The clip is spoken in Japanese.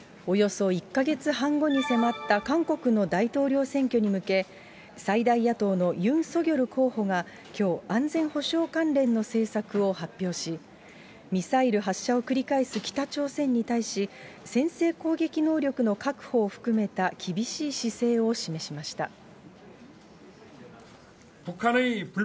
およそ１か月半後に迫った韓国の大統領選挙に向け、最大野党のユン・ソギョル候補がきょう、安全保障関連の政策を発表し、ミサイル発射を繰り返す北朝鮮に対し、先制攻撃能力の確保を含めた厳しい姿勢を示しました。